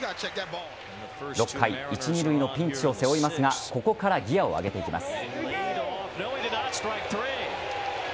６回一・二塁のピンチを背負いますがここからギアを上げていきます。